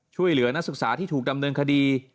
ช่วยเหลือนักศึกษาที่ถูกดำเนินคดี